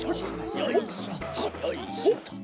よいしょよいしょ。